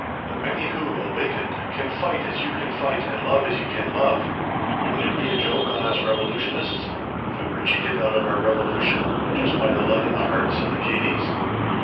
but many who, awakened, can fight as you can fight and love as you can love wouldn't it be a joke on us revolutionists if we were cheated out of our revolution just by the love in the hearts of the Katies?